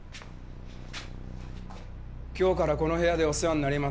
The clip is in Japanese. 今日からこの部屋でお世話になります。